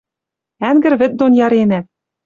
Ӓнгӹр вӹд дон яренӓт.